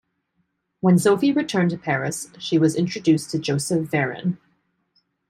When Sophie returned to Paris, she was introduced to Joseph Varin.